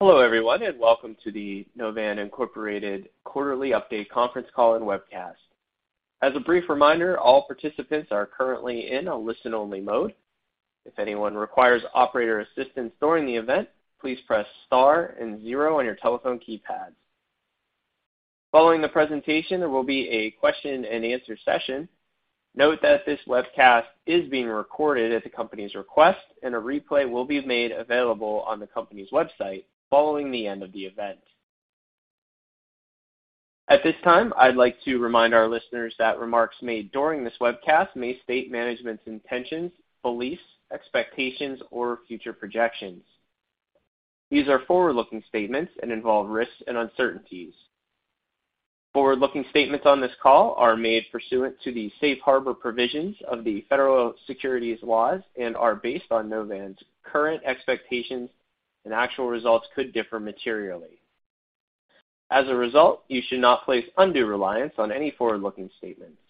Hello, everyone, and welcome to the Novan, Inc. Quarterly Update Conference Call and Webcast. As a brief reminder, all participants are currently in a listen-only mode. If anyone requires operator assistance during the event, please press star and zero on your telephone keypads. Following the presentation, there will be a question and answer session. Note that this webcast is being recorded at the company's request, and a replay will be made available on the company's website following the end of the event. At this time, I'd like to remind our listeners that remarks made during this webcast may state management's intentions, beliefs, expectations, or future projections. These are forward-looking statements and involve risks and uncertainties. Forward-looking statements on this call are made pursuant to the Safe Harbor provisions of the federal securities laws and are based on Novan's current expectations, and actual results could differ materially. As a result, you should not place undue reliance on any forward-looking statements.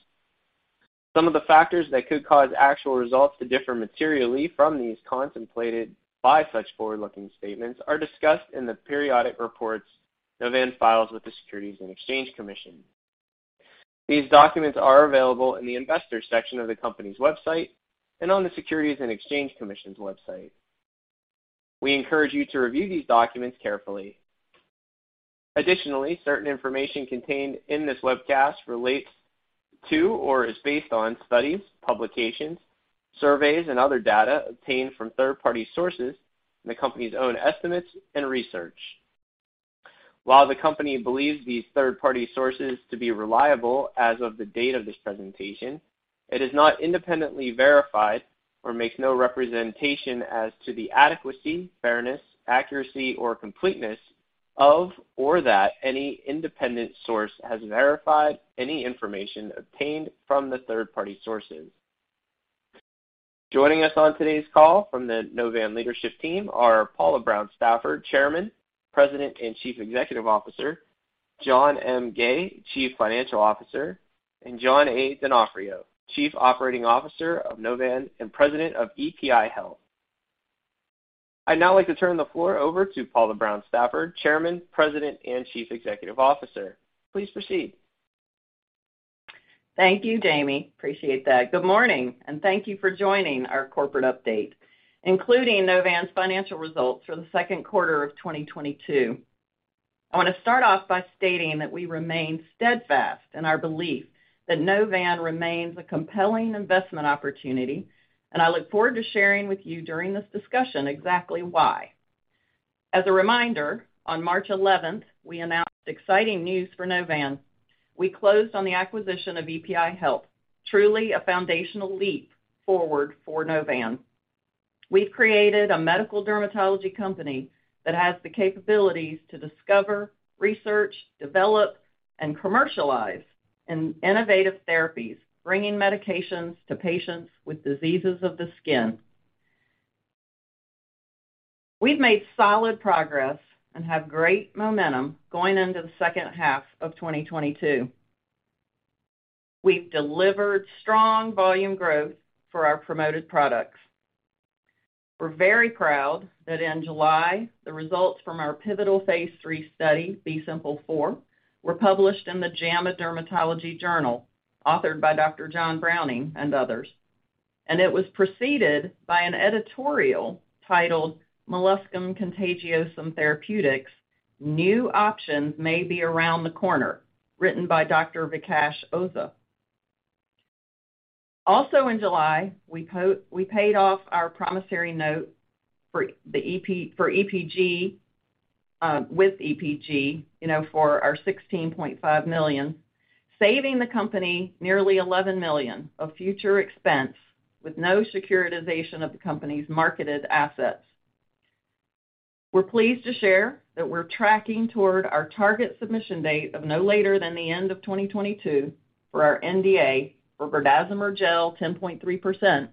Some of the factors that could cause actual results to differ materially from these contemplated by such forward-looking statements are discussed in the periodic reports Novan files with the Securities and Exchange Commission. These documents are available in the Investors section of the company's website and on the Securities and Exchange Commission's website. We encourage you to review these documents carefully. Additionally, certain information contained in this webcast relates to or is based on studies, publications, surveys, and other data obtained from third-party sources and the company's own estimates and research. While the company believes these third-party sources to be reliable as of the date of this presentation, it has not independently verified or makes no representation as to the adequacy, fairness, accuracy or completeness of or that any independent source has verified any information obtained from the third-party sources. Joining us on today's call from the Novan leadership team are Paula Brown Stafford, Chairman, President, and Chief Executive Officer, John M. Gay, Chief Financial Officer, and John A. Donofrio, Chief Operating Officer of Novan and President of EPI Health. I'd now like to turn the floor over to Paula Brown Stafford, Chairman, President, and Chief Executive Officer. Please proceed. Thank you, Jamie. Appreciate that. Good morning, and thank you for joining our corporate update, including Novan's financial results for the second quarter of 2022. I want to start off by stating that we remain steadfast in our belief that Novan remains a compelling investment opportunity, and I look forward to sharing with you during this discussion exactly why. As a reminder, on March 11th, we announced exciting news for Novan. We closed on the acquisition of EPI Health, truly a foundational leap forward for Novan. We've created a medical dermatology company that has the capabilities to discover, research, develop, and commercialize innovative therapies, bringing medications to patients with diseases of the skin. We've made solid progress and have great momentum going into the second half of 2022. We've delivered strong volume growth for our promoted products. We're very proud that in July, the results from our pivotal Phase 3 study, B-SIMPLE4 were published in JAMA Dermatology, authored by Dr. John Browning and others, and it was preceded by an editorial titled Molluscum Contagiosum Therapeutics: New Options May Be Around the Corner, written by Dr. Vikash Oza. Also in July, we paid off our promissory note for EPG with EPG, you know, for our $16.5 million, saving the company nearly $11 million of future expense with no securitization of the company's marketed assets. We're pleased to share that we're tracking toward our target submission date of no later than the end of 2022 for our NDA for berdazimer gel 10.3%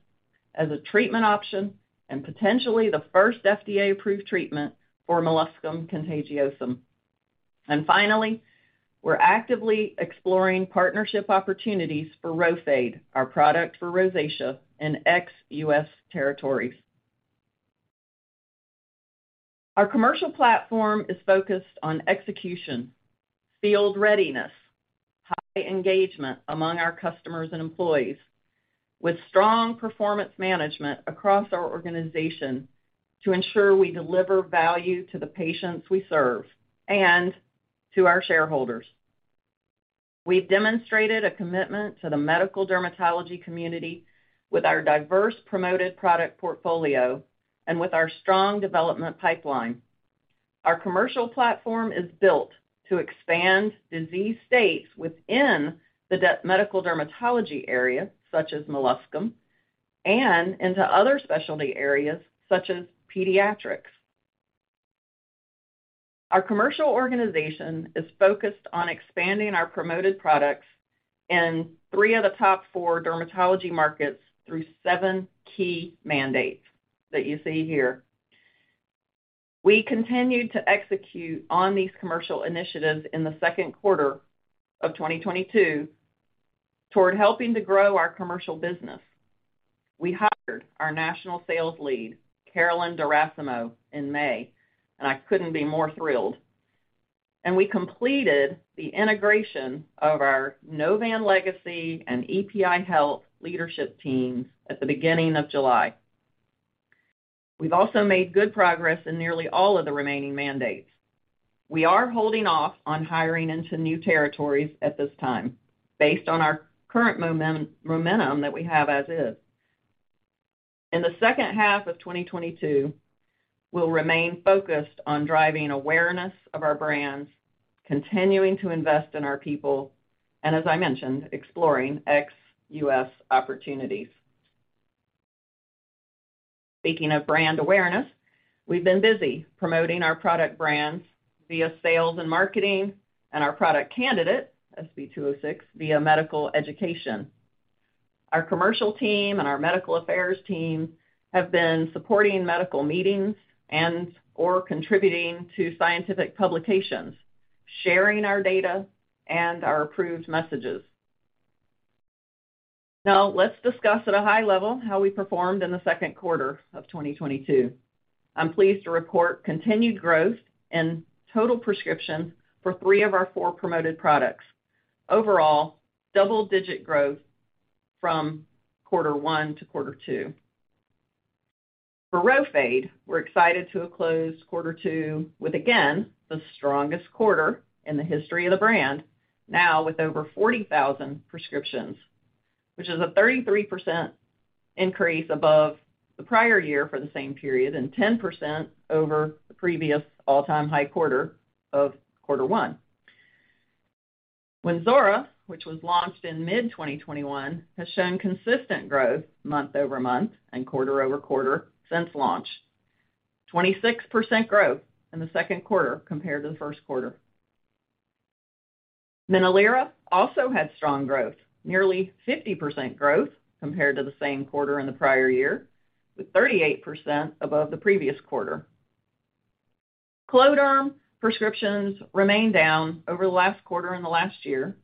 as a treatment option and potentially the first FDA-approved treatment for molluscum contagiosum. Finally, we're actively exploring partnership opportunities for Rhofade, our product for rosacea in ex-US territories. Our commercial platform is focused on execution, field readiness, high engagement among our customers and employees with strong performance management across our organization to ensure we deliver value to the patients we serve and to our shareholders. We've demonstrated a commitment to the medical dermatology community with our diverse promoted product portfolio and with our strong development pipeline. Our commercial platform is built to expand disease states within the medical dermatology area, such as molluscum, and into other specialty areas, such as pediatrics. Our commercial organization is focused on expanding our promoted products in three of the top four dermatology markets through seven key mandates that you see here. We continued to execute on these commercial initiatives in the second quarter of 2022. Toward helping to grow our commercial business, we hired our national sales lead, Carolyn D'Erasmo, in May, and I couldn't be more thrilled. We completed the integration of our Novan legacy and EPI Health leadership teams at the beginning of July. We've also made good progress in nearly all of the remaining mandates. We are holding off on hiring into new territories at this time based on our current momentum that we have as is. In the second half of 2022, we'll remain focused on driving awareness of our brands, continuing to invest in our people, and as I mentioned, exploring ex-US opportunities. Speaking of brand awareness, we've been busy promoting our product brands via sales and marketing and our product candidate, SB206, via medical education. Our commercial team and our medical affairs team have been supporting medical meetings and or contributing to scientific publications, sharing our data and our approved messages. Now let's discuss at a high level how we performed in the second quarter of 2022. I'm pleased to report continued growth in total prescriptions for three of our four promoted products. Overall, double-digit growth from quarter one to quarter two. For Rhofade, we're excited to have closed quarter two with again, the strongest quarter in the history of the brand, now with over 40,000 prescriptions, which is a 33% increase above the prior year for the same period and 10% over the previous all-time high quarter of quarter one. Wynzora, which was launched in mid-2021, has shown consistent growth month-over-month and quarter-over-quarter since launch. 26% growth in the second quarter compared to the first quarter. Minolira also had strong growth, nearly 50% growth compared to the same quarter in the prior year, with 38% above the previous quarter. Cloderm prescriptions remain down over the last quarter and the last year,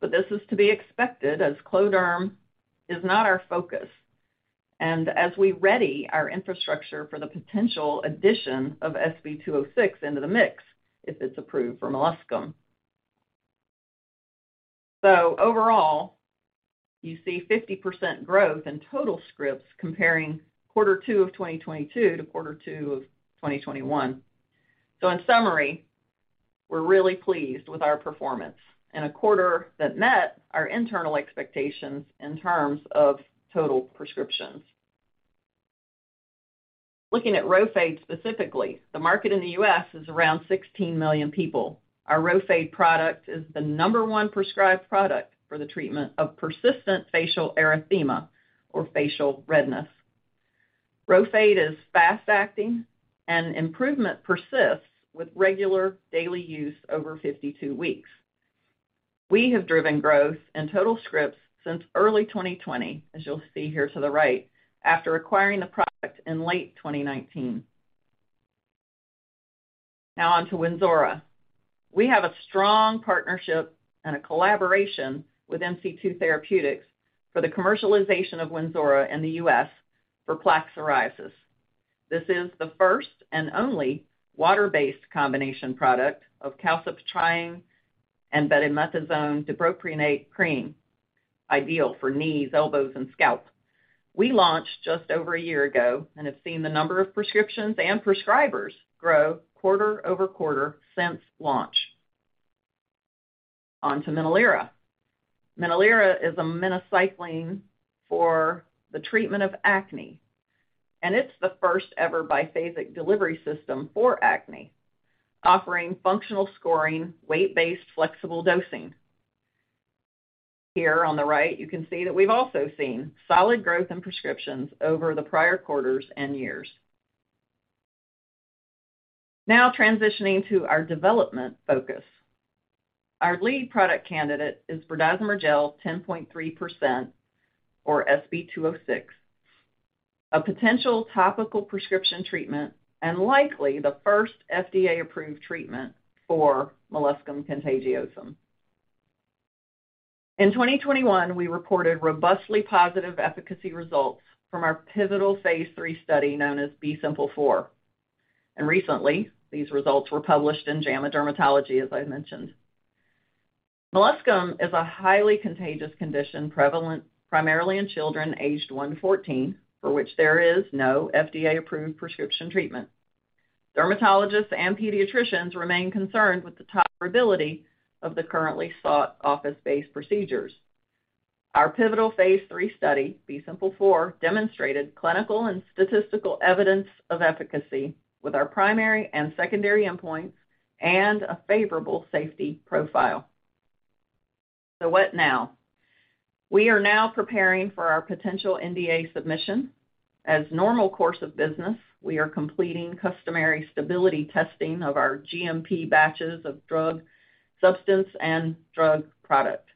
but this is to be expected as Cloderm is not our focus, and as we ready our infrastructure for the potential addition of SB206 into the mix if it's approved for molluscum. Overall, you see 50% growth in total scripts comparing quarter two of 2022 to quarter two of 2021. In summary, we're really pleased with our performance in a quarter that met our internal expectations in terms of total prescriptions. Looking at Rhofade specifically, the market in the U.S. is around 16 million people. Our Rhofade product is the number one prescribed product for the treatment of persistent facial erythema or facial redness. Rhofade is fast-acting and improvement persists with regular daily use over 52 weeks. We have driven growth in total scripts since early 2020, as you'll see here to the right, after acquiring the product in late 2019. Now on to Wynzora. We have a strong partnership and a collaboration with MC2 Therapeutics for the commercialization of Wynzora in the U.S. for plaque psoriasis. This is the first and only water-based combination product of calcipotriene and betamethasone dipropionate cream, ideal for knees, elbows, and scalp. We launched just over a year ago and have seen the number of prescriptions and prescribers grow quarter-over-quarter since launch. On to Minolira. Minolira is a minocycline for the treatment of acne, and it's the first ever biphasic delivery system for acne, offering functional scoring, weight-based flexible dosing. Here on the right, you can see that we've also seen solid growth in prescriptions over the prior quarters and years. Now transitioning to our development focus. Our lead product candidate is berdazimer gel 10.3% or SB206, a potential topical prescription treatment and likely the first FDA-approved treatment for molluscum contagiosum. In 2021, we reported robustly positive efficacy results from our pivotal Phase 3 study known as B-SIMPLE4. Recently, these results were published in JAMA Dermatology, as I mentioned. Molluscum is a highly contagious condition prevalent primarily in children aged one to 14 for which there is no FDA-approved prescription treatment. Dermatologists and pediatricians remain concerned with the tolerability of the currently sought office-based procedures. Our pivotal Phase 3 study, B-SIMPLE4, demonstrated clinical and statistical evidence of efficacy with our primary and secondary endpoints and a favorable safety profile. What now? We are now preparing for our potential NDA submission. As normal course of business, we are completing customary stability testing of our GMP batches of drug substance and drug product.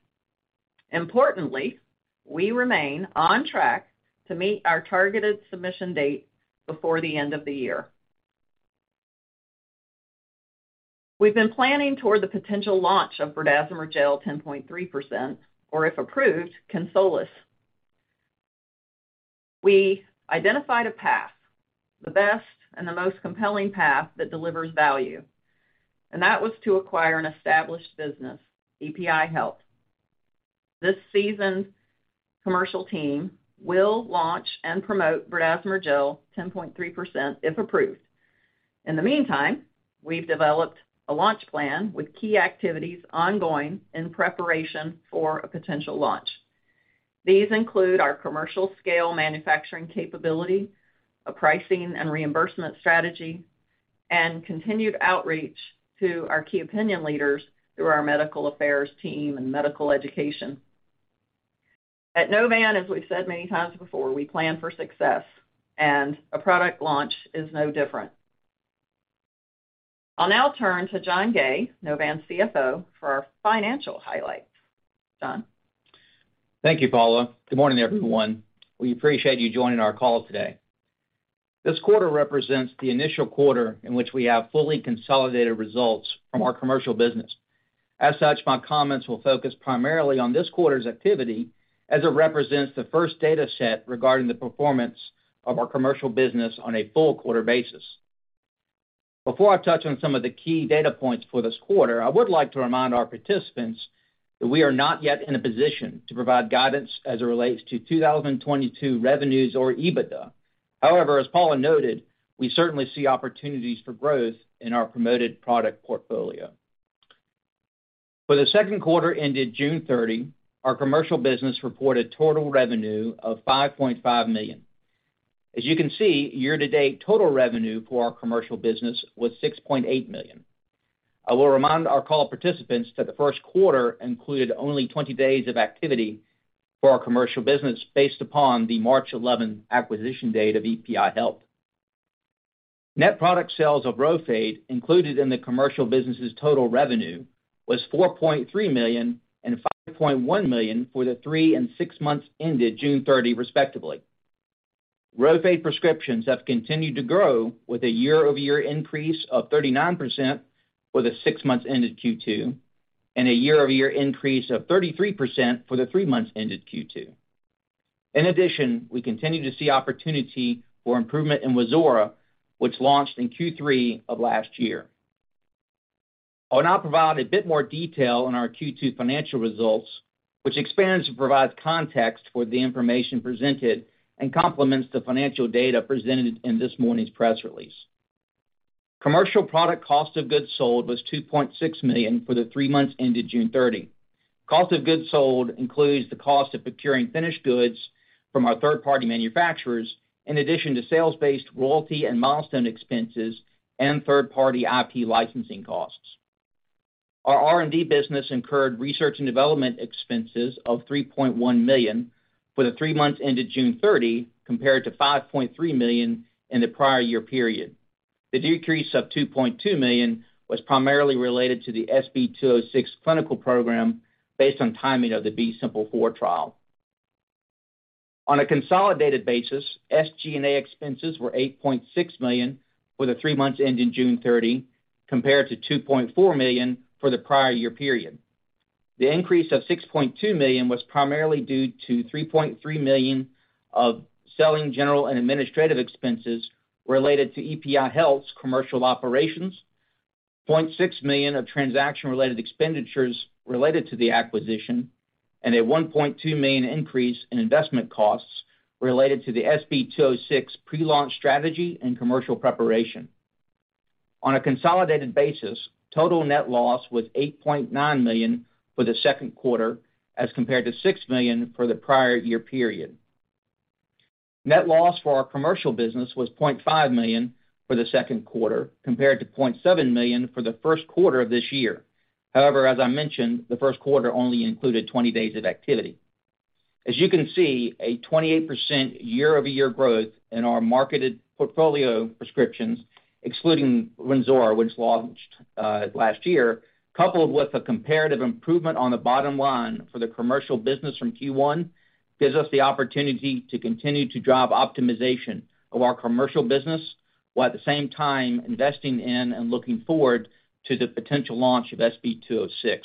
Importantly, we remain on track to meet our targeted submission date before the end of the year. We've been planning toward the potential launch of berdazimer gel 10.3%, or if approved, Consolus. We identified a path, the best and the most compelling path that delivers value, and that was to acquire an established business, EPI Health. This seasoned commercial team will launch and promote berdazimer gel 10.3%, if approved. In the meantime, we've developed a launch plan with key activities ongoing in preparation for a potential launch. These include our commercial scale manufacturing capability, a pricing and reimbursement strategy, and continued outreach to our key opinion leaders through our medical affairs team and medical education. At Novan, as we've said many times before, we plan for success, and a product launch is no different. I'll now turn to John M. Gay, Novan CFO, for our financial highlights. John? Thank you, Paula. Good morning, everyone. We appreciate you joining our call today. This quarter represents the initial quarter in which we have fully consolidated results from our commercial business. As such, my comments will focus primarily on this quarter's activity as it represents the first data set regarding the performance of our commercial business on a full quarter basis. Before I touch on some of the key data points for this quarter, I would like to remind our participants that we are not yet in a position to provide guidance as it relates to 2022 revenues or EBITDA. However, as Paula noted, we certainly see opportunities for growth in our promoted product portfolio. For the second quarter ended June 30, our commercial business reported total revenue of $5.5 million. As you can see, year-to-date total revenue for our commercial business was $6.8 million. I will remind our call participants that the first quarter included only 20 days of activity for our commercial business based upon the March 11 acquisition date of EPI Health. Net product sales of Rhofade included in the commercial business's total revenue was $4.3 million and $5.1 million for the three and six months ended June 30, respectively. Rhofade prescriptions have continued to grow with a year-over-year increase of 39% for the six months ended Q2, and a year-over-year increase of 33% for the three months ended Q2. In addition, we continue to see opportunity for improvement in Wynzora, which launched in Q3 of last year. I will now provide a bit more detail on our Q2 financial results, which expands and provides context for the information presented and complements the financial data presented in this morning's press release. Commercial product cost of goods sold was $2.6 million for the three months ended June 30. Cost of goods sold includes the cost of procuring finished goods from our third-party manufacturers, in addition to sales-based royalty and milestone expenses and third-party IP licensing costs. Our R&D business incurred research and development expenses of $3.1 million for the three months ended June 30, compared to $5.3 million in the prior year period. The decrease of $2.2 million was primarily related to the SB206 clinical program based on timing of the B-SIMPLE4 trial. On a consolidated basis, SG&A expenses were $8.6 million for the three months ending June 30, compared to $2.4 million for the prior year period. The increase of $6.2 million was primarily due to $3.3 million of selling, general and administrative expenses related to EPI Health's commercial operations, $0.6 million of transaction-related expenditures related to the acquisition, and a $1.2 million increase in investment costs related to the SB206 pre-launch strategy and commercial preparation. On a consolidated basis, total net loss was $8.9 million for the second quarter as compared to $6 million for the prior year period. Net loss for our commercial business was $0.5 million for the second quarter compared to $0.7 million for the first quarter of this year. However, as I mentioned, the first quarter only included 20 days of activity. As you can see, a 28% year-over-year growth in our marketed portfolio prescriptions, excluding Wynzora, which launched last year, coupled with a comparative improvement on the bottom line for the commercial business from Q1, gives us the opportunity to continue to drive optimization of our commercial business, while at the same time investing in and looking forward to the potential launch of SB206.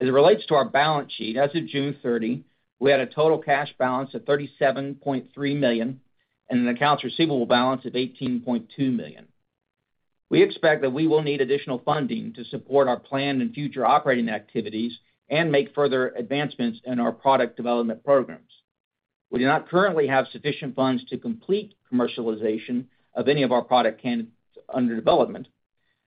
As it relates to our balance sheet, as of June 30, we had a total cash balance of $37.3 million and an accounts receivable balance of $18.2 million. We expect that we will need additional funding to support our planned and future operating activities, and make further advancements in our product development programs. We do not currently have sufficient funds to complete commercialization of any of our product candidates under development.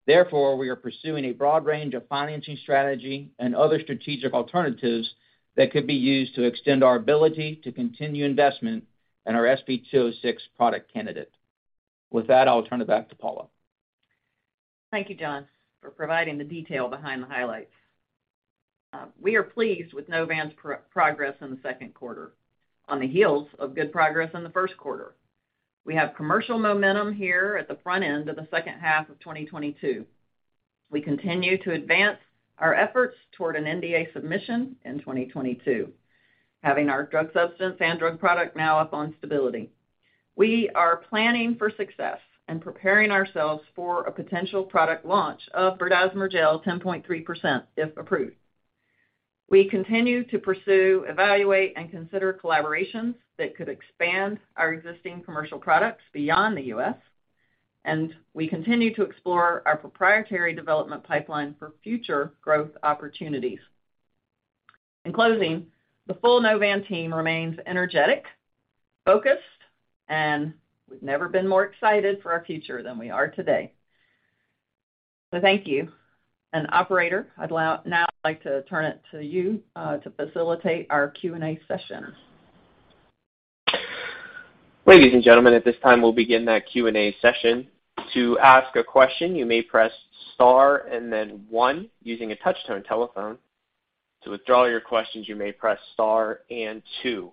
Therefore, we are pursuing a broad range of financing strategy and other strategic alternatives that could be used to extend our ability to continue investment in our SB206 product candidate. With that, I'll turn it back to Paula. Thank you, John, for providing the detail behind the highlights. We are pleased with Novan's progress in the second quarter on the heels of good progress in the first quarter. We have commercial momentum here at the front end of the second half of 2022. We continue to advance our efforts toward an NDA submission in 2022, having our drug substance and drug product now up on stability. We are planning for success and preparing ourselves for a potential product launch of berdazimer gel 10.3%, if approved. We continue to pursue, evaluate, and consider collaborations that could expand our existing commercial products beyond the U.S., and we continue to explore our proprietary development pipeline for future growth opportunities. In closing, the full Novan team remains energetic, focused, and we've never been more excited for our future than we are today. Thank you. Operator, I'd now like to turn it to you to facilitate our Q&A session. Ladies and gentlemen, at this time, we'll begin that Q&A session. To ask a question, you may press star and then one using a touch-tone telephone. To withdraw your questions, you may press star and two.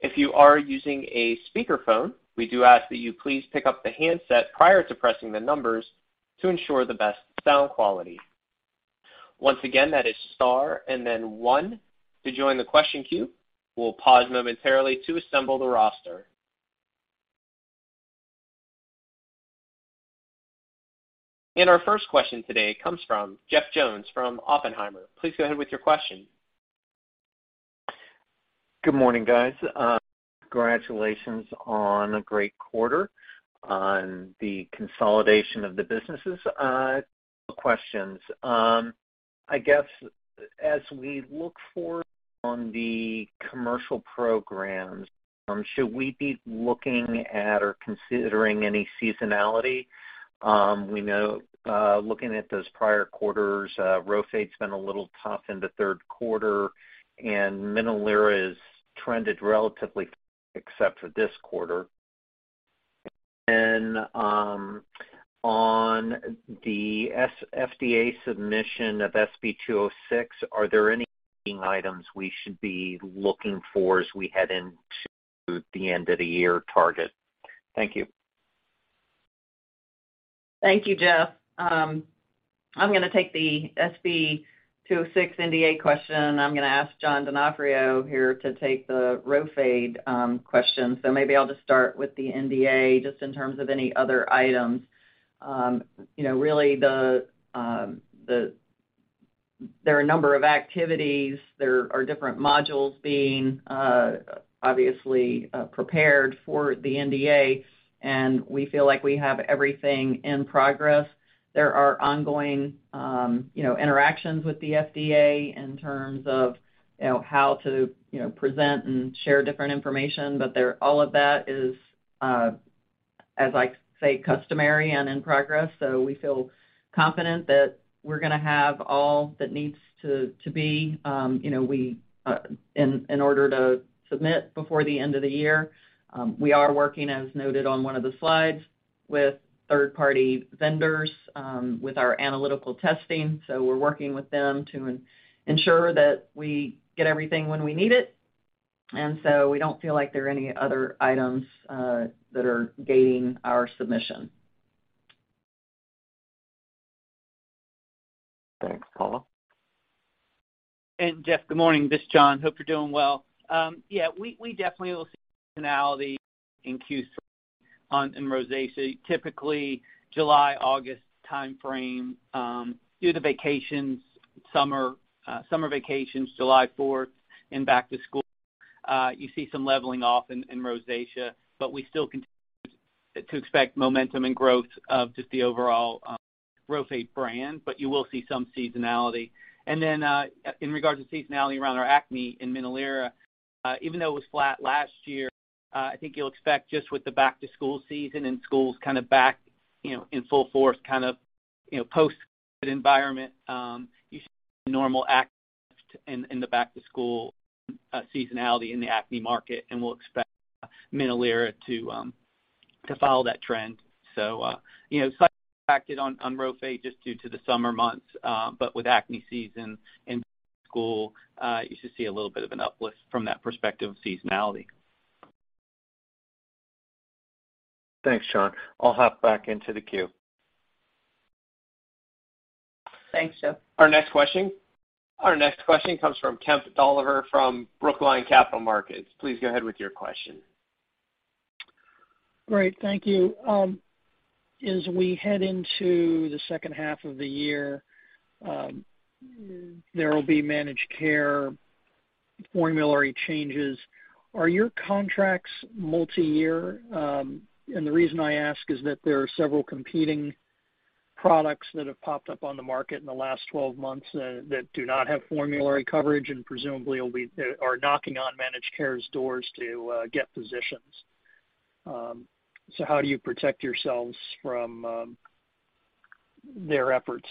If you are using a speakerphone, we do ask that you please pick up the handset prior to pressing the numbers to ensure the best sound quality. Once again, that is star and then one to join the question queue. We'll pause momentarily to assemble the roster. Our first question today comes from Jeff Jones from Oppenheimer. Please go ahead with your question. Good morning, guys. Congratulations on a great quarter on the consolidation of the businesses. Couple questions. I guess as we look forward on the commercial programs, should we be looking at or considering any seasonality? We know, looking at those prior quarters, Rhofade's been a little tough in the third quarter, and Minolira has trended relatively except for this quarter. On the NDA submission of SB206, are there any items we should be looking for as we head into the end of the year target? Thank you. Thank you, Jeff. I'm gonna take the SB206 NDA question. I'm gonna ask John Donofrio here to take the Rhofade question. Maybe I'll just start with the NDA just in terms of any other items. You know, really there are a number of activities. There are different modules being obviously prepared for the NDA, and we feel like we have everything in progress. There are ongoing interactions with the FDA in terms of how to present and share different information. But all of that is, as I say, customary and in progress. We feel confident that we're gonna have all that needs to be in order to submit before the end of the year. We are working, as noted on one of the slides, with third-party vendors with our analytical testing. We're working with them to ensure that we get everything when we need it. We don't feel like there are any other items that are gating our submission. Thanks, Paula. Jeff, good morning. This is John. Hope you're doing well. We definitely will see seasonality in Q3 in rosacea, typically July, August timeframe, due to vacations, summer vacations, July 4th, and back to school. You see some leveling off in rosacea, but we still continue to expect momentum and growth of just the overall Rhofade brand, but you will see some seasonality. In regards to seasonality around our acne in Minolira, even though it was flat last year, I think you'll expect just with the back-to-school season and schools kind of back, you know, in full force, kind of, you know, post-COVID environment, you see normal acne lift in the back-to-school seasonality in the acne market, and we'll expect Minolira to follow that trend. You know, slightly impacted on Rhofade just due to the summer months. With acne season and school, you should see a little bit of an uplift from that perspective of seasonality. Thanks, John. I'll hop back into the queue. Thanks, Jeff. Our next question comes from Kemp Dolliver from Brookline Capital Markets. Please go ahead with your question. Great. Thank you. As we head into the second half of the year, there will be managed care formulary changes. Are your contracts multi-year? The reason I ask is that there are several competing products that have popped up on the market in the last 12 months that do not have formulary coverage, and presumably are knocking on managed care's doors to get physicians. How do you protect yourselves from their efforts?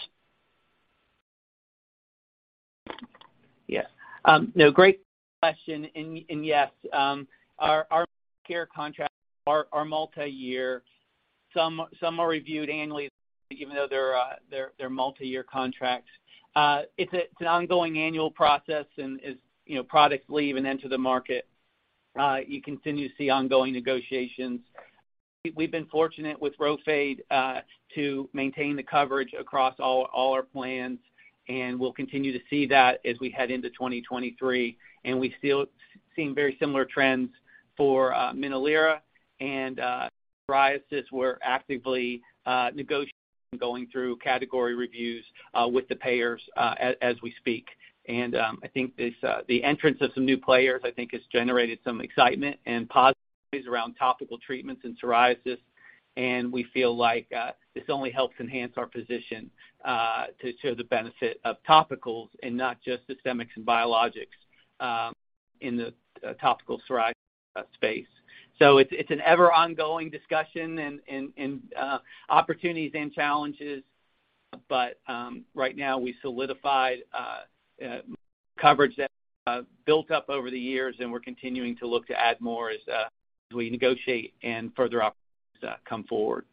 Yes. No, great question. Yes, our care contracts are multi-year. Some are reviewed annually even though they're multi-year contracts. It's an ongoing annual process and as you know, products leave and enter the market, you continue to see ongoing negotiations. We've been fortunate with Rhofade to maintain the coverage across all our plans, and we'll continue to see that as we head into 2023. We still seem very similar trends for Minolira and psoriasis. We're actively negotiating and going through category reviews with the payers as we speak. I think this, the entrance of some new players, I think has generated some excitement and positives around topical treatments and psoriasis. We feel like this only helps enhance our position to the benefit of topicals, and not just systemics and biologics in the topical psoriasis space. It's an ever ongoing discussion and opportunities and challenges. Right now we solidified coverage that built up over the years, and we're continuing to look to add more as we negotiate and further opportunities come forward.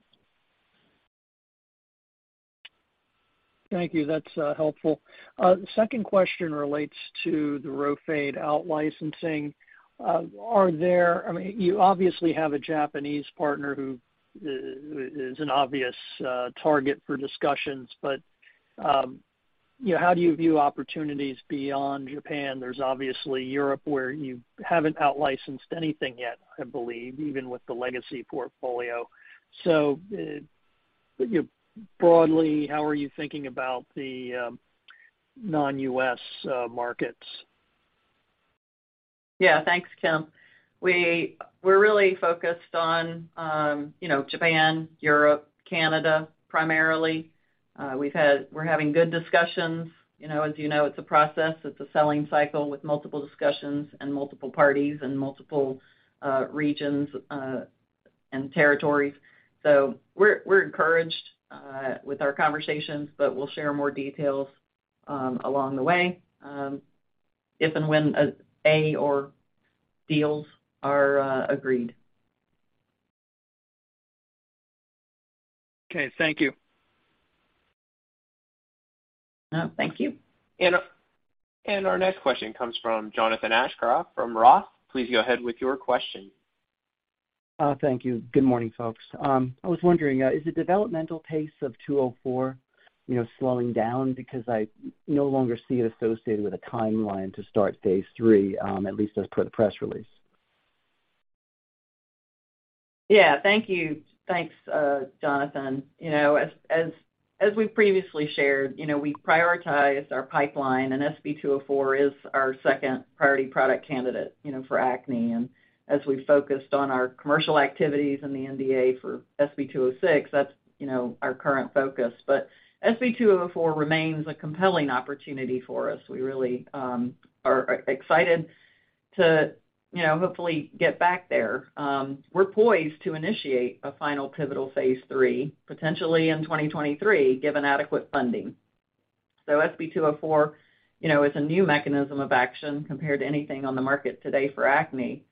Thank you. That's helpful. The second question relates to the Rhofade out licensing. Are there? I mean, you obviously have a Japanese partner who is an obvious target for discussions. But you know, how do you view opportunities beyond Japan? There's obviously Europe, where you haven't out licensed anything yet, I believe, even with the legacy portfolio. So you know, broadly, how are you thinking about the non-US markets? Yeah, thanks, Kemp. We're really focused on, you know, Japan, Europe, Canada, primarily. We're having good discussions. You know, as you know, it's a process, it's a selling cycle with multiple discussions and multiple parties and multiple regions and territories. We're encouraged with our conversations, but we'll share more details along the way if and when deals are agreed. Okay. Thank you. No, thank you. Our next question comes fro Jonathan Aschoff from Roth. Please go ahead with your question. Thank you. Good morning, folks. I was wondering, is the developmental pace of SB204, you know, slowing down? Because I no longer see it associated with a timeline to start Phase 3, at least as per the press release. Yeah. Thank you. Thanks, Jonathan. You know, as we previously shared, you know, we prioritize our pipeline, and SB204 is our second priority product candidate, you know, for acne. As we focused on our commercial activities and the NDA for SB206, that's, you know, our current focus. SB204 remains a compelling opportunity for us. We really are excited to, you know, hopefully get back there. We're poised to initiate a final pivotal Phase 3, potentially in 2023, given adequate funding. SB204, you know, is a new mechanism of action compared to anything on the market today for acne.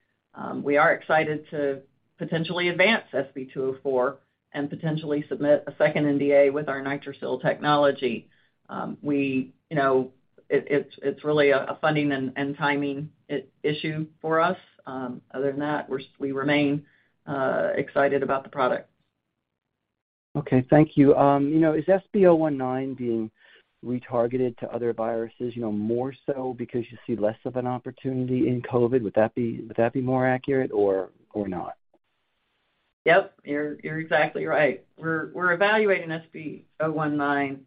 We are excited to potentially advance SB204 and potentially submit a second NDA with our NITRICIL technology. It's really a funding and timing issue for us. Other than that, we remain excited about the product. Okay. Thank you. You know, is SB019 being retargeted to other viruses, you know, more so because you see less of an opportunity in COVID? Would that be more accurate or not? Yep, you're exactly right. We're evaluating SB019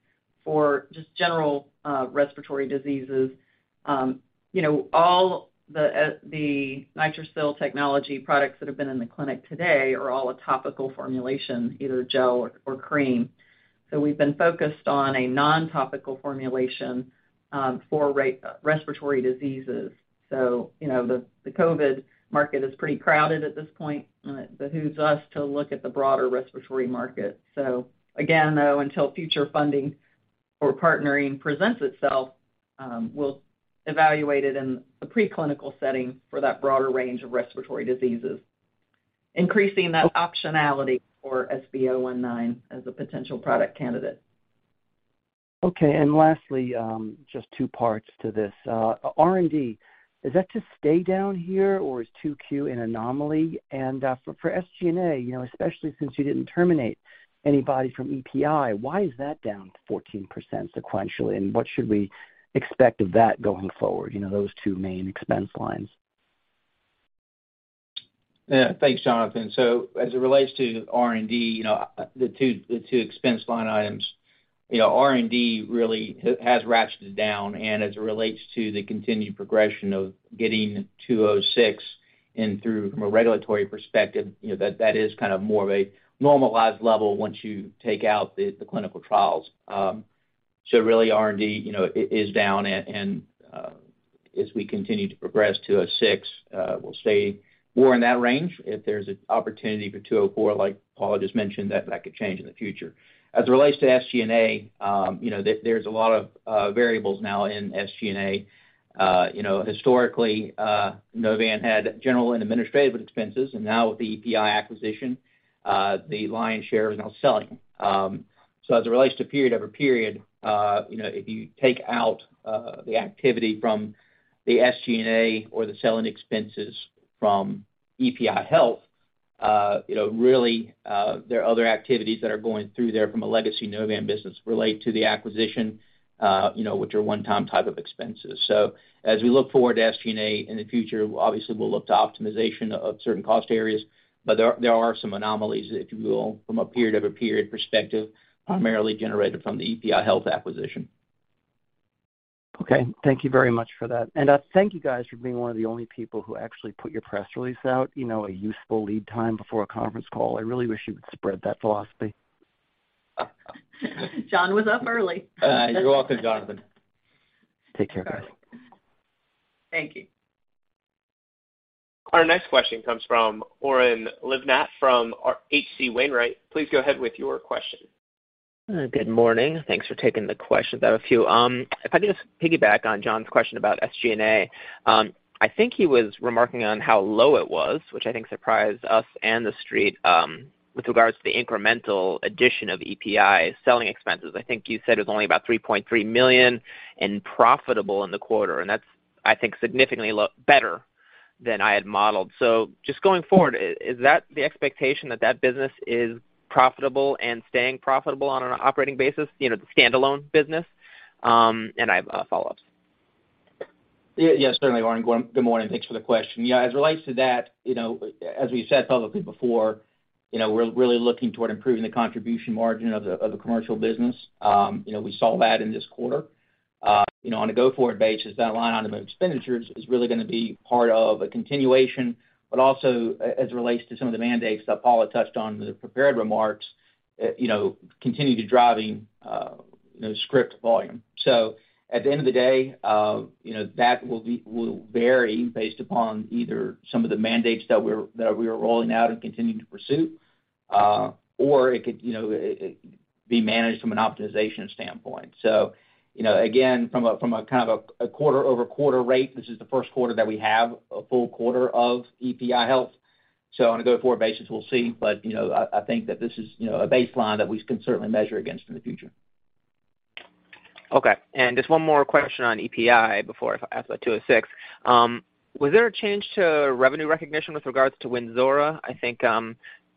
for just general respiratory diseases. You know, all the NITRICIL technology products that have been in the clinic today are all a topical formulation, either gel or cream. We've been focused on a non-topical formulation for respiratory diseases. You know, the COVID market is pretty crowded at this point. Behooves us to look at the broader respiratory market. Again, though, until future funding or partnering presents itself, we'll evaluate it in a preclinical setting for that broader range of respiratory diseases, increasing that optionality for SB019 as a potential product candidate. Okay. Lastly, just two parts to this. R&D, is that to stay down here, or is 2Q an anomaly? For SG&A, you know, especially since you didn't terminate anybody from EPI, why is that down 14% sequentially, and what should we expect of that going forward, you know, those two main expense lines? Yeah. Thanks, Jonathan. As it relates to R&D, you know, the two expense line items, you know, R&D really has ratcheted down. As it relates to the continued progression of getting SB206 through from a regulatory perspective, you know, that is kind of more of a normalized level once you take out the clinical trials. Really R&D, you know, is down and, as we continue to progress SB206, we'll stay more in that range. If there's an opportunity for two oh four, like Paula just mentioned, that could change in the future. As it relates to SG&A, you know, there's a lot of variables now in SG&A. You know, historically, Novan had general and administrative expenses, and now with the EPI acquisition, the lion's share is now selling. As it relates to period-over-period, you know, if you take out the activity from the SG&A or the selling expenses from EPI Health. You know, really, there are other activities that are going through there from a legacy Novan business relate to the acquisition, you know, which are one-time type of expenses. As we look forward to SG&A in the future, obviously we'll look to optimization of certain cost areas, but there are some anomalies, if you will, from a period-over-period perspective, primarily generated from the EPI Health acquisition. Okay. Thank you very much for that. Thank you guys for being one of the only people who actually put your press release out, you know, a useful lead time before a conference call. I really wish you would spread that philosophy. John was up early. You're welcome, Jonathan. Take care, guys. Thank you. Our next question comes from Oren Livnat from H.C. Wainwright. Please go ahead with your question. Good morning. Thanks for taking the questions. I have a few. If I could just piggyback on John's question about SG&A. I think he was remarking on how low it was, which I think surprised us and the Street, with regards to the incremental addition of EPI selling expenses. I think you said it was only about $3.3 million and profitable in the quarter, and that's, I think, significantly better than I had modeled. Just going forward, is that the expectation that that business is profitable and staying profitable on an operating basis, you know, the standalone business? I have follow-ups. Yeah, certainly, Oren. Good morning. Thanks for the question. Yeah, as it relates to that, you know, as we said publicly before, you know, we're really looking toward improving the contribution margin of the commercial business. You know, we saw that in this quarter. You know, on a go-forward basis, that line item of expenditures is really gonna be part of a continuation, but also as it relates to some of the mandates that Paula touched on in the prepared remarks, you know, continue to driving, you know, script volume. So at the end of the day, you know, that will vary based upon either some of the mandates that we are rolling out and continuing to pursue, or it could, you know, it be managed from an optimization standpoint. You know, again, from a quarter-over-quarter rate, this is the first quarter that we have a full quarter of EPI Health. On a go-forward basis, we'll see. You know, I think that this is, you know, a baseline that we can certainly measure against in the future. Okay. Just one more question on EPI before I ask about SB206. Was there a change to revenue recognition with regards to Wynzora? I think,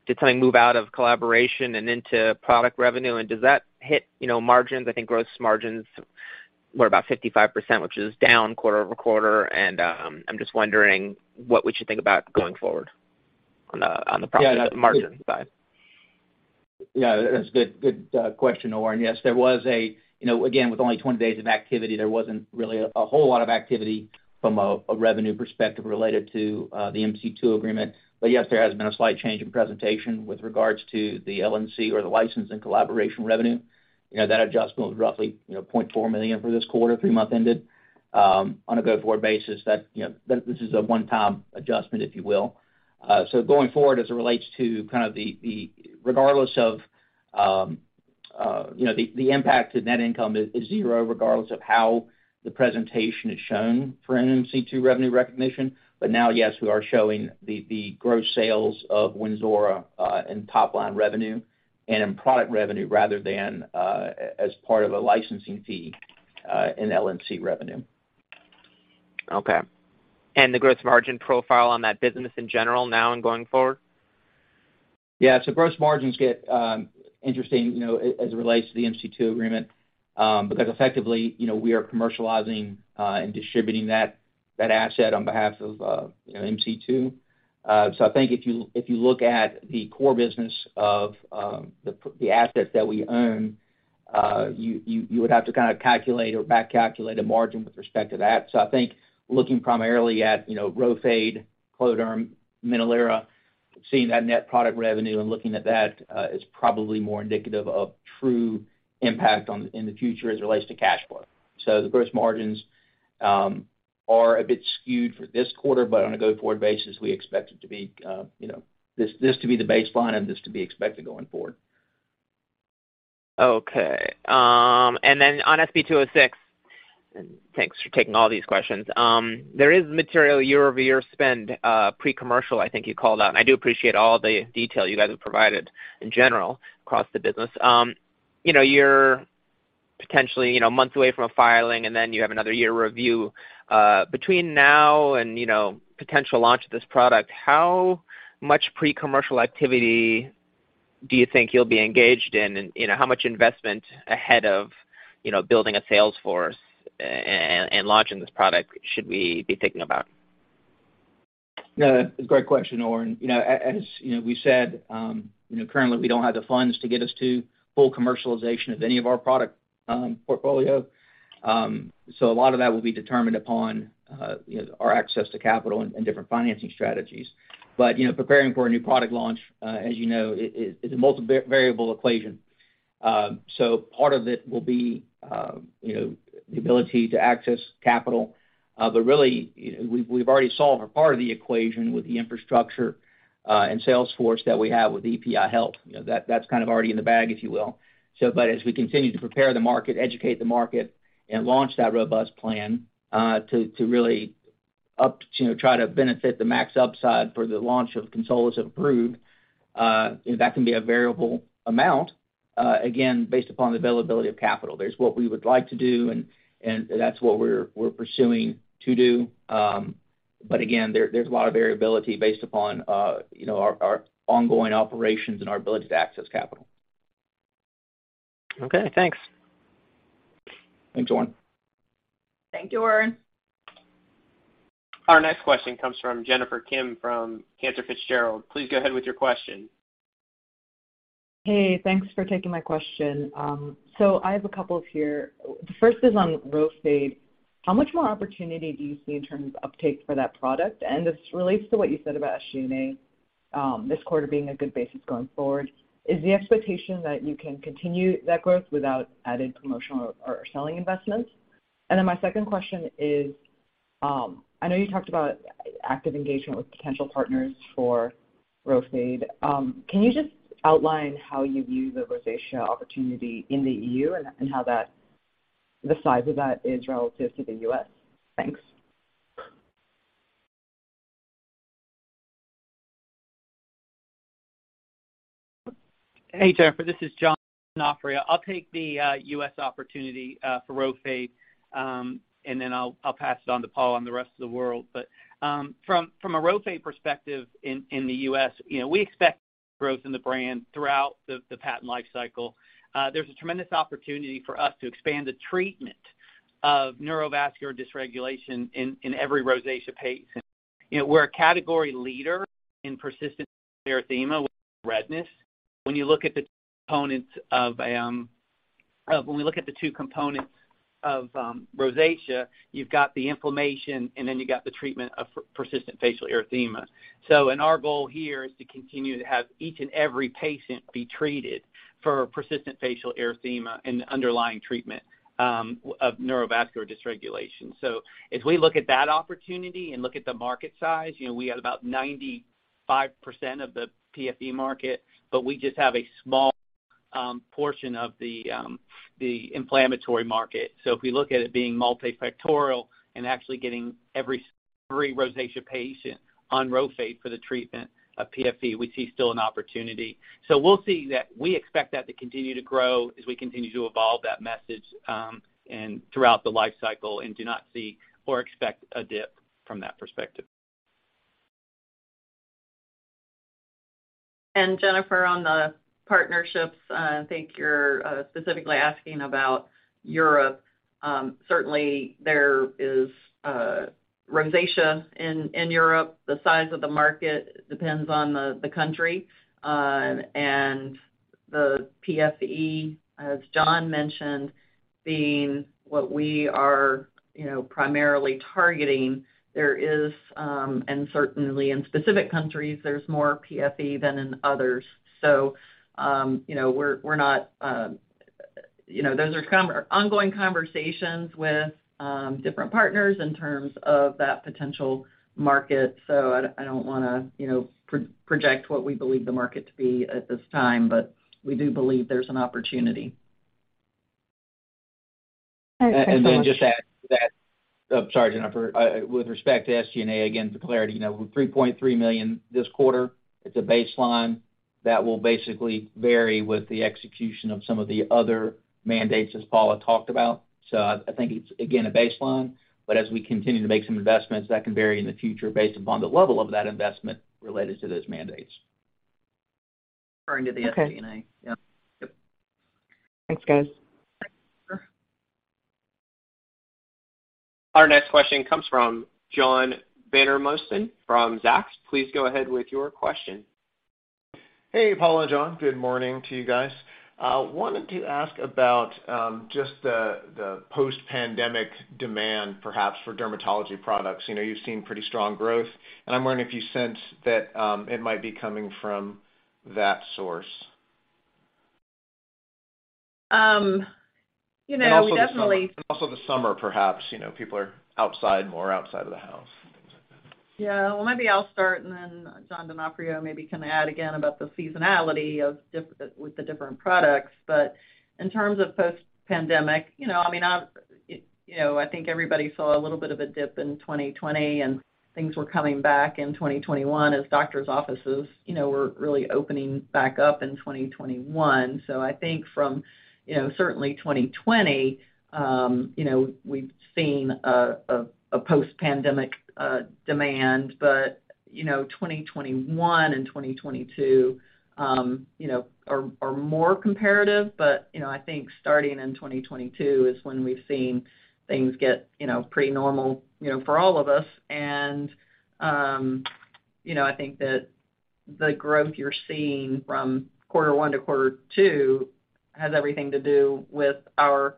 did something move out of collaboration and into product revenue? Does that hit, you know, margins? I think gross margins were about 55%, which is down quarter-over-quarter. I'm just wondering what we should think about going forward on the profit margin side. Yeah. That's a good question, Oren. Yes. There was... You know, again, with only 20 days of activity, there wasn't really a whole lot of activity from a revenue perspective related to the MC2 agreement. But yes, there has been a slight change in presentation with regards to the LNC or the license and collaboration revenue. You know, that adjustment was roughly $0.4 million for this quarter, three-month ended. On a go-forward basis that this is a one-time adjustment, if you will. So going forward, as it relates to kind of the... Regardless of the impact to net income is zero regardless of how the presentation is shown for an MC2 revenue recognition. Now, yes, we are showing the gross sales of Wynzora in top-line revenue and in product revenue rather than as part of a licensing fee in LNC revenue. Okay. The gross margin profile on that business in general now and going forward? Yeah. Gross margins get interesting, you know, as it relates to the MC2 agreement, because effectively, you know, we are commercializing and distributing that asset on behalf of, you know, MC2. I think if you look at the core business of the assets that we own, you would have to kind of calculate or back calculate a margin with respect to that. I think looking primarily at, you know, Rhofade, Cloderm, Minolira, seeing that net product revenue and looking at that is probably more indicative of true impact in the future as it relates to cash flow. The gross margins are a bit skewed for this quarter, but on a go-forward basis, we expect it to be, you know, this to be the baseline and this to be expected going forward. Okay. On SB206, thanks for taking all these questions. There is material year-over-year spend pre-commercial, I think you called out, and I do appreciate all the detail you guys have provided in general across the business. You know, you're potentially you know months away from a filing, and then you have another year review. Between now and you know potential launch of this product, how much pre-commercial activity do you think you'll be engaged in? And you know, how much investment ahead of building a sales force and launching this product should we be thinking about? No, it's a great question, Oren. You know, as you know, we said, you know, currently we don't have the funds to get us to full commercialization of any of our product portfolio. A lot of that will be determined upon, you know, our access to capital and different financing strategies. You know, preparing for a new product launch, as you know, it is, it's a multi-variable equation. Part of it will be, you know, the ability to access capital. But really, you know, we've already solved for part of the equation with the infrastructure and sales force that we have with EPI Health. You know, that's kind of already in the bag, if you will. As we continue to prepare the market, educate the market, and launch that robust plan, to really, you know, try to benefit the max upside for the launch of ZELSUVMI or berdazimer. That can be a variable amount, again, based upon the availability of capital. There's what we would like to do and that's what we're pursuing to do. Again, there's a lot of variability based upon, you know, our ongoing operations and our ability to access capital. Okay, thanks. Thanks, Oren Livnat. Thank you, Oren Livnat. Our next question comes from Jennifer Kim from Cantor Fitzgerald. Please go ahead with your question. Hey, thanks for taking my question. So I have a couple here. The first is on Rhofade. How much more opportunity do you see in terms of uptake for that product? And this relates to what you said about SG&A, this quarter being a good basis going forward. Is the expectation that you can continue that growth without added promotional or selling investments? And then my second question is, I know you talked about active engagement with potential partners for Rhofade. Can you just outline how you view the rosacea opportunity in the EU and how that the size of that is relative to the U.S.? Thanks. Hey, Jennifer, this is John A. Donofrio. I'll take the U.S. opportunity for Rhofade, and then I'll pass it on to Paula on the rest of the world. From a Rhofade perspective in the U.S., you know, we expect growth in the brand throughout the patent life cycle. There's a tremendous opportunity for us to expand the treatment of neurovascular dysregulation in every rosacea patient. You know, we're a category leader in persistent erythema with redness. When we look at the two components of rosacea, you've got the inflammation, and then you got the treatment of persistent facial erythema. Our goal here is to continue to have each and every patient be treated for persistent facial erythema and the underlying treatment of neurovascular dysregulation. As we look at that opportunity and look at the market size, you know, we have about 95% of the PFE market, but we just have a small portion of the inflammatory market. If we look at it being multifactorial and actually getting every rosacea patient on Rhofade for the treatment of PFE, we see still an opportunity. We'll see that. We expect that to continue to grow as we continue to evolve that message, and throughout the life cycle and do not see or expect a dip from that perspective. Jennifer, on the partnerships, I think you're specifically asking about Europe. Certainly, there is rosacea in Europe. The size of the market depends on the country. The PFE, as John mentioned, being what we are, you know, primarily targeting, there is, and certainly in specific countries, there's more PFE than in others. You know, we're not, you know. Those are ongoing conversations with different partners in terms of that potential market. I don't wanna, you know, project what we believe the market to be at this time, but we do believe there's an opportunity. All right. Thanks so much. Just to add to that. Sorry, Jennifer. With respect to SG&A, again, for clarity, you know, $3.3 million this quarter. It's a baseline that will basically vary with the execution of some of the other mandates, as Paula talked about. I think it's, again, a baseline, but as we continue to make some investments, that can vary in the future based upon the level of that investment related to those mandates. Referring to the SG&A. Okay. Yeah. Yep. Thanks, guys. Thanks, Jennifer. Our next question comes from John Vandermosten from Zacks. Please go ahead with your question. Hey, Paula and John. Good morning to you guys. Wanted to ask about just the post-pandemic demand, perhaps for dermatology products. You know, you've seen pretty strong growth, and I'm wondering if you sense that it might be coming from that source. Um, you know, we definitely- Also the summer, perhaps, you know, people are outside, more outside of the house and things like that. Yeah. Well, maybe I'll start, and then John Donofrio maybe can add again about the seasonality of the different products. In terms of post-pandemic, you know, I mean, you know, I think everybody saw a little bit of a dip in 2020, and things were coming back in 2021 as doctors' offices, you know, were really opening back up in 2021. I think from, you know, certainly 2020, you know, we've seen a post-pandemic demand. You know, 2021 and 2022, you know, are more comparative. You know, I think starting in 2022 is when we've seen things get, you know, pretty normal, you know, for all of us. You know, I think that the growth you're seeing from quarter one to quarter two has everything to do with our,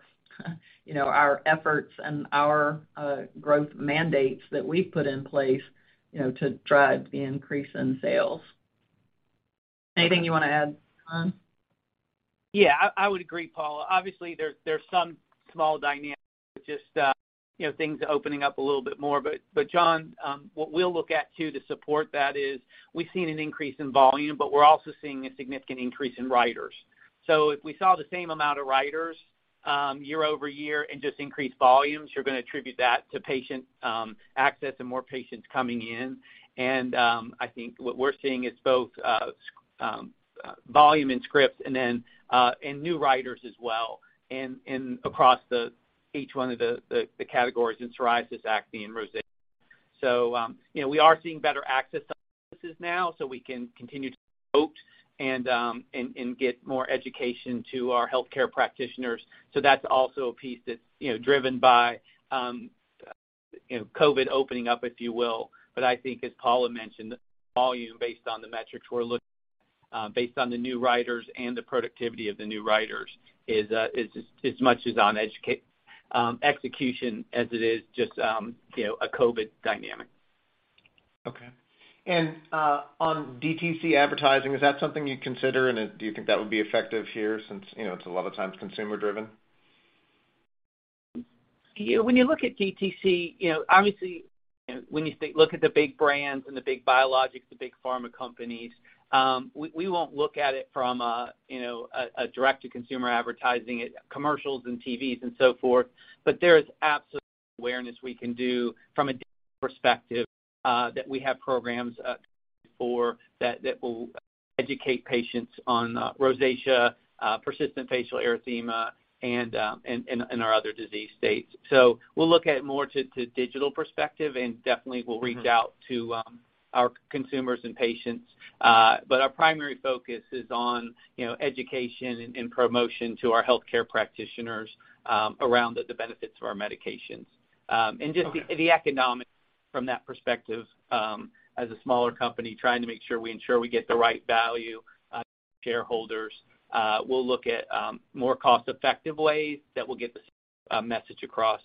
you know, our efforts and our growth mandates that we've put in place, you know, to drive the increase in sales. Anything you wanna add, John? Yeah, I would agree, Paula. Obviously, there's some small dynamics with just, you know, things opening up a little bit more. John, what we'll look at too to support that is we've seen an increase in volume, but we're also seeing a significant increase in writers. If we saw the same amount of writers year-over-year and just increased volumes, you're gonna attribute that to patient access and more patients coming in. I think what we're seeing is both volume and scripts and then new writers as well in each one of the categories in psoriasis, acne, and rosacea. You know, we are seeing better access now, so we can continue to and get more education to our healthcare practitioners. That's also a piece that's, you know, driven by, you know, COVID opening up, if you will. I think as Paula mentioned, volume based on the metrics we're looking, based on the new writers and the productivity of the new writers is as much on execution as it is just, you know, a COVID dynamic. Okay. On DTC advertising, is that something you'd consider? Do you think that would be effective here since, you know, it's a lot of times consumer driven? Yeah. When you look at DTC, you know, obviously when you look at the big brands and the big biologics, the big pharma companies, we won't look at it from a direct to consumer advertising, commercials, and TVs and so forth. There is absolutely awareness we can do from a different perspective, that we have programs for that that will educate patients on rosacea, persistent facial erythema, and our other disease states. We'll look at it from a more digital perspective, and definitely we'll reach out to our consumers and patients. Our primary focus is on education and promotion to our healthcare practitioners around the benefits of our medications. Okay. The economics from that perspective, as a smaller company, trying to make sure we ensure we get the right value, shareholders, we'll look at, more cost-effective ways that will get the, message across,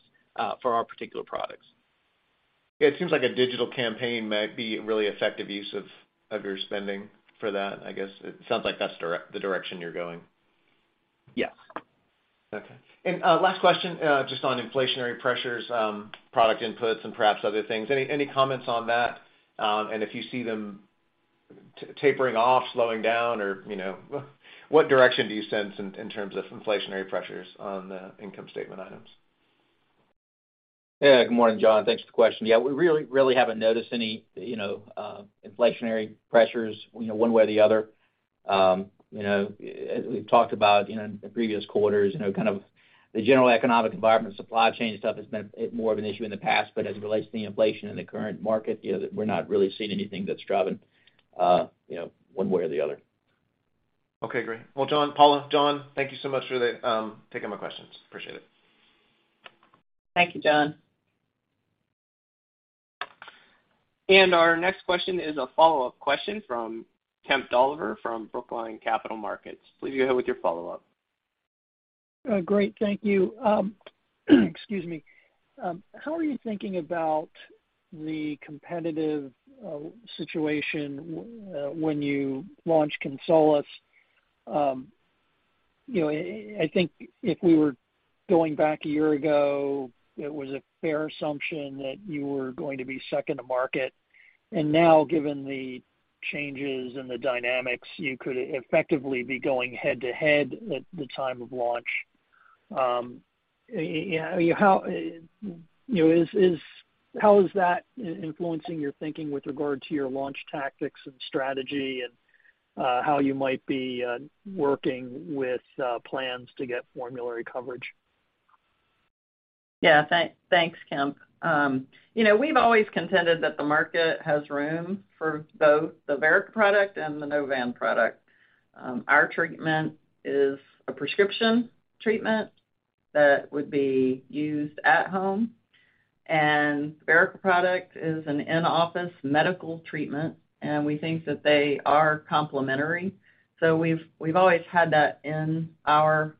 for our particular products. It seems like a digital campaign might be a really effective use of your spending for that. I guess it sounds like that's the direction you're going. Yes. Okay. Last question, just on inflationary pressures, product inputs, and perhaps other things. Any comments on that? If you see them tapering off, slowing down or, you know, what direction do you sense in terms of inflationary pressures on the income statement items? Yeah. Good morning, John. Thanks for the question. Yeah, we really haven't noticed any, you know, inflationary pressures, you know, one way or the other. You know, as we've talked about, you know, in the previous quarters, you know, kind of the general economic environment, supply chain stuff has been more of an issue in the past. As it relates to the inflation in the current market, you know, we're not really seeing anything that's driving, you know, one way or the other. Okay, great. Well, John, Paula, John, thank you so much for taking my questions. Appreciate it. Thank you, John. Our next question is a follow-up question from Kemp Dolliver from Brookline Capital Markets. Please go ahead with your follow-up. Great. Thank you. Excuse me. How are you thinking about the competitive situation when you launch Consolus? You know, I think if we were going back a year ago, it was a fair assumption that you were going to be second to market. Now, given the changes and the dynamics, you could effectively be going head to head at the time of launch. How is that influencing your thinking with regard to your launch tactics and strategy and how you might be working with plans to get formulary coverage? Yeah. Thanks, Kemp. You know, we've always contended that the market has room for both the Verrica product and the Novan product. Our treatment is a prescription treatment that would be used at home, and Verrica product is an in-office medical treatment, and we think that they are complementary. We've always had that in our,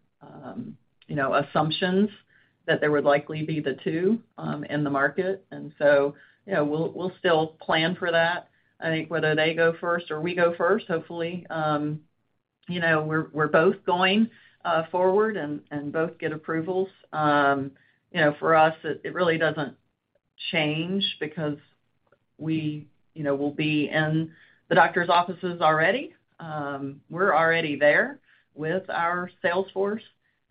you know, assumptions that there would likely be the two in the market. You know, we'll still plan for that. I think whether they go first or we go first. Hopefully, you know, we're both going forward and both get approvals. You know, for us, it really doesn't change because we, you know, will be in the doctor's offices already. We're already there with our sales force,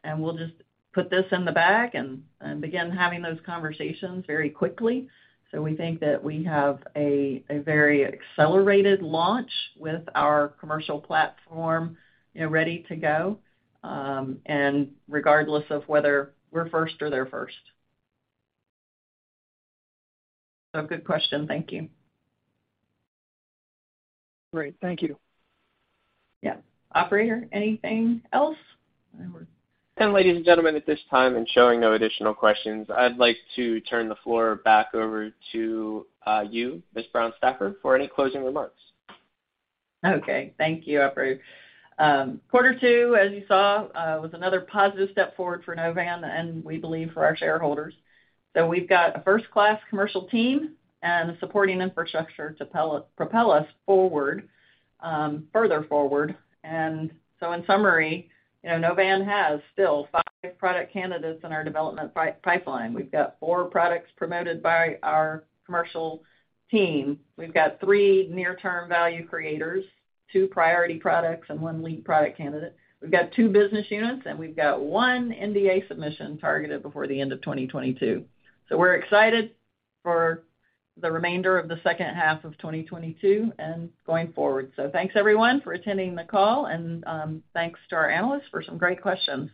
and we'll just put this in the bag and begin having those conversations very quickly. We think that we have a very accelerated launch with our commercial platform, you know, ready to go, and regardless of whether we're first or they're first. Good question. Thank you. Great. Thank you. Yeah. Operator, anything else? I would. Ladies and gentlemen, at this time and showing no additional questions, I'd like to turn the floor back over to you, Ms. Paula Brown Stafford, for any closing remarks. Okay. Thank you, operator. Quarter two, as you saw, was another positive step forward for Novan, and we believe for our shareholders. We've got a first class commercial team and the supporting infrastructure to propel us forward, further forward. In summary, you know, Novan has still five product candidates in our development pipeline. We've got four products promoted by our commercial team. We've got three near term value creators, two priority products, and one lead product candidate. We've got two business units, and we've got one NDA submission targeted before the end of 2022. We're excited for the remainder of the second half of 2022 and going forward. Thanks everyone for attending the call and, thanks to our analysts for some great questions.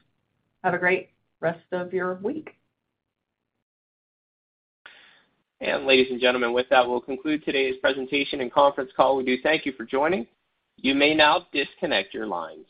Have a great rest of your week. Ladies and gentlemen, with that, we'll conclude today's presentation and conference call. We do thank you for joining. You may now disconnect your lines.